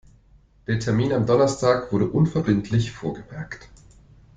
Der Termin am Donnerstag wurde unverbindlich vorgemerkt.